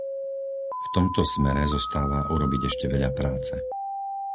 V tomto smere zostáva urobiť ešte veľa práce.